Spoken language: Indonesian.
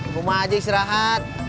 rumah aja istirahat